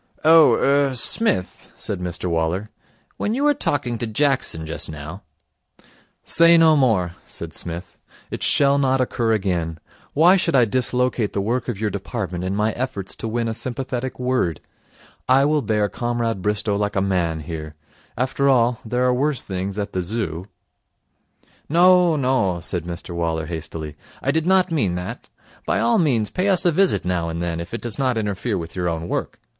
'Oh er Smith,' said Mr Waller, 'when you were talking to Jackson just now ' 'Say no more,' said Psmith. 'It shall not occur again. Why should I dislocate the work of your department in my efforts to win a sympathetic word? I will bear Comrade Bristow like a man here. After all, there are worse things at the Zoo.' 'No, no,' said Mr Waller hastily, 'I did not mean that. By all means pay us a visit now and then, if it does not interfere with your own work.